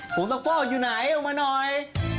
ผมกับฟ่ออยู่ไหนออกมาหน่อย